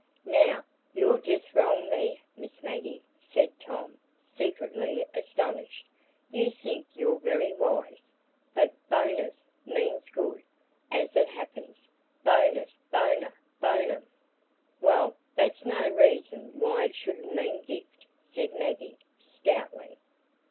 "Now, you're just wrong there, Miss Maggie!" said Tom, secretly astonished. "You think you're very wise! But 'bonus' means 'good,' as it happens,—bonus, bona, bonum." "Well, that's no reason why it shouldn't mean 'gift,'" said Maggie, stoutly.